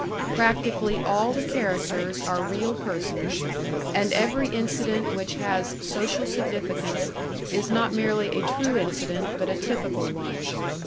Practically all the characters are real persons, and every incident which has social significance is not merely a true incident, but a typical one.